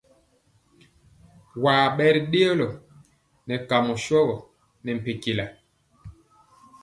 Waŋ bɛri dëɔlo nɛ kamɔ shogɔ ne mpɛntyɛla.